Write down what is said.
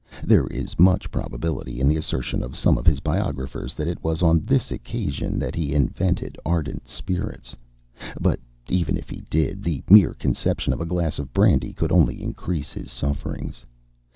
There is much probability in the assertion of some of his biographers that it was on this occasion that he invented ardent spirits; but, even if he did, the mere conception of a glass of brandy could only increase his sufferings.